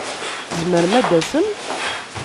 Tzemrem ad d-tasem?